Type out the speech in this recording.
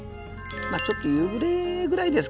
ちょっと夕暮れぐらいですかね？